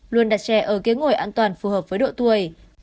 luôn đặt trẻ ở ghế ngồi an toàn phù hợp với độ tuổi